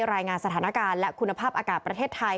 รายงานสถานการณ์และคุณภาพอากาศประเทศไทย